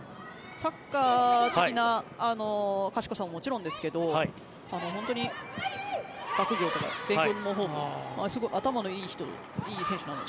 サッカー的な賢さももちろんですが本当に学業とか勉強のほうも頭のいい選手なので。